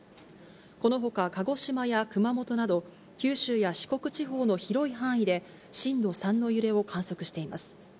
このほか、鹿児島や熊本など、九州や四国地方の広い範囲で震度３の揺れを観測しています。